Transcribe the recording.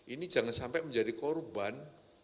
ini jangan sampai menjadi korban